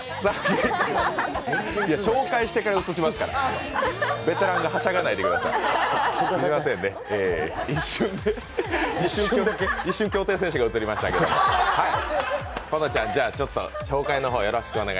紹介してから映しますからベテランがはしゃがないでください。